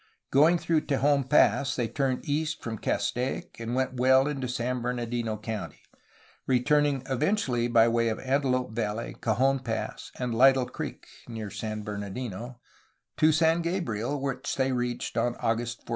Going through Tejon Pass, they turned east from Castaic and went well into San Bernardino County, returning eventually by way of Antelope Valley, Cajon Pass, and Lytle Creek (near San Bernardino) to San Gabriel, which they reached on August 14.